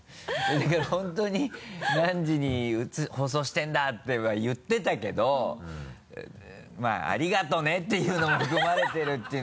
だから本当に「何時に放送してんだ！」とは言ってたけどまぁありがとねっていうのも含まれてるっていう。